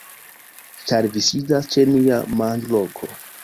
Ĉar vi sidas ĉe nia manĝloko!